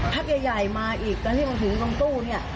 พักใหญ่ใหญ่มาอีกตอนที่เขาถึงตรงตู้เนี้ย